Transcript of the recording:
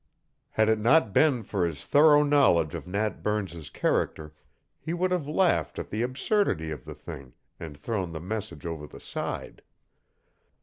Had it not been for his thorough knowledge of Nat Burns's character he would have laughed at the absurdity of the thing and thrown the message over the side.